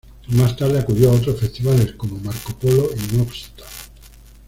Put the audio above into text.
Más tarde acudió a otros festivales como Marko Polo y Mostar.